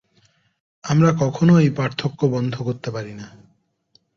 আমরা কখনও এই পার্থক্য বন্ধ করিতে পারি না।